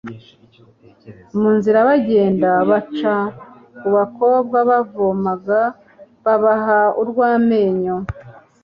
mu nzira bagenda, baca ku bakobwa bavomaga, babaha urw'amenyo